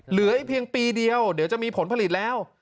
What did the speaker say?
เหลืออีกเพียงปีเดียวเดี๋ยวจะมีผลผลิตแล้ว